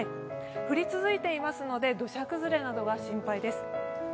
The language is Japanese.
降り続いていますので土砂崩れなどが心配です。